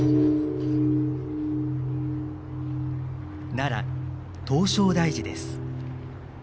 奈良・唐招提寺です。